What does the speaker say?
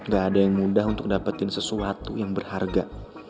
gak ada yang mudah untuk dapetin sesuatu yang berharga